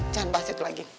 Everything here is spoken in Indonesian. jangan bahas itu lagi